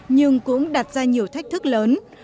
nhưng cũng đặt ra nhiều thách thức lớn